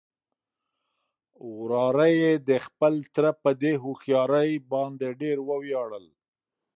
وراره يې د خپل تره په دې هوښيارۍ باندې ډېر ووياړل.